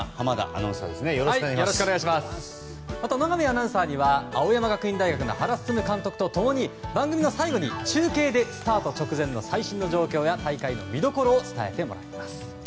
アナウンサーには青山学院大学の原晋監督と共に番組の終わりに中継でスタート直前の最新の状況や大会の見どころを伝えてもらいます。